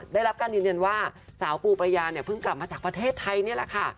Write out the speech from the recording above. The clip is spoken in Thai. ได้รับการยืนยันว่าสาวปูประยาเนี่ยเพิ่งกลับมาจากประเทศไทยนี่แหละค่ะ